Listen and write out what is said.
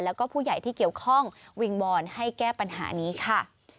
แล้วก็ผู้ใหญ่ที่เกี่ยวข้องวิงวอนให้แก้ปัญหานี้ค่ะ